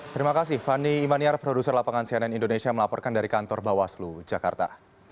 terima kasih fani imaniar produser lapangan cnn indonesia melaporkan dari kantor bawaslu jakarta